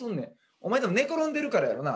お前たぶん寝転んでるからやろな。